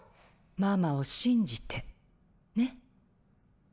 ママを信じてね？